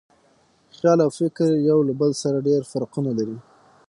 خیال او فکر یو له بل سره ډېر فرقونه لري.